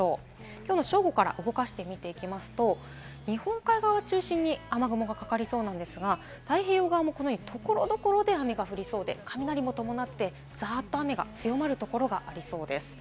きょうの正午から動かして見ていくと、日本海側を中心に雨雲がかかりそうですが、太平洋側も所々で雨が降りそうで、雷も伴ってザっと雨が強まるところがありそうです。